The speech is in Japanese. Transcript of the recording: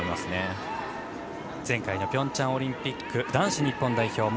前回のピョンチャンオリンピック男子日本代表